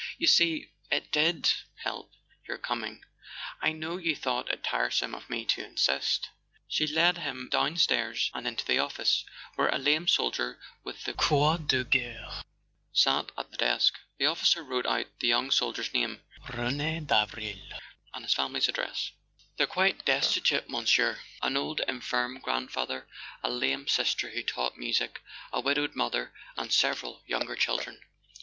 "You see, it did help, your coming. I know you thought it tiresome of me to insist." She led him down¬ stairs and into the office, where a lame officer with the Croix de Guerre sat at the desk. The officer wrote out the young soldier's name—Rene Davril—and his fam¬ ily's address. [ 147 ] A SON AT THE FRONT " They're quite destitute, Monsieur. An old infirm grandfather, a lame sister who taught music, a widowed mother and several younger children.